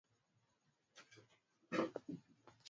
beautician terms huwa tunaziita pores zikiwa zime